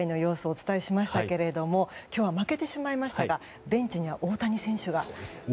お伝えしましたけれども今日は負けてしまいましたがベンチには大谷選手がいましたね。